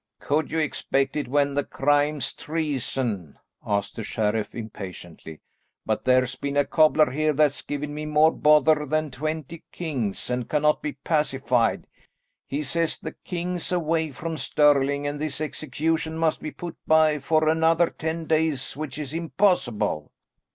"Could you expect it, when the crime's treason?" asked the sheriff impatiently, "but there's been a cobbler here that's given me more bother than twenty kings, and cannot be pacified. He says the king's away from Stirling, and this execution must be put by for another ten days, which is impossible."